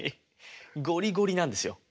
ゴリゴリなんですよ。